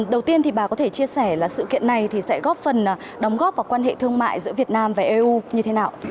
đầu tiên thì bà có thể chia sẻ là sự kiện này thì sẽ góp phần đóng góp vào quan hệ thương mại giữa việt nam và eu như thế nào